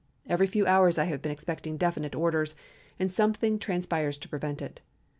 Every few hours I have been expecting definite orders, and something transpires to prevent it.